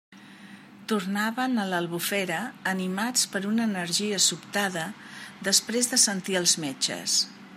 Tornaven a l'Albufera animats per una energia sobtada després de sentir els metges.